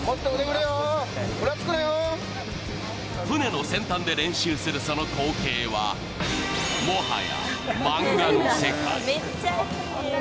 船の先端で練習するその光景は、もはや漫画の世界。